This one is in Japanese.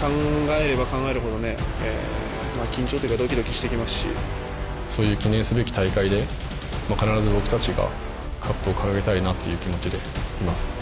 考えれば考えるほど緊張というかそういう記念すべき大会で必ず僕たちがカップを掲げたいなという気持ちでいます。